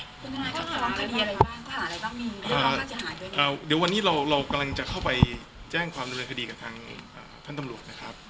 อะไรต้องมีเอ่อเดี๋ยววันนี้เรากำลังจะเข้าไปแจ้งความนุยนคดีกับทางอ่าท่านตำลูกนะครับ